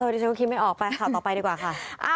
ดิฉันก็คิดไม่ออกไปข่าวต่อไปดีกว่าค่ะ